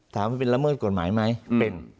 ถามว่าเป็นละเมิดกฎหมายไหมเป็น